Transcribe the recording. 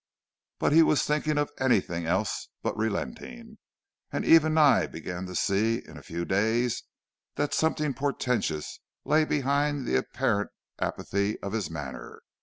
"But he was thinking of anything else but relenting, and even I began to see in a few days that something portentous lay behind the apparent apathy of his manner.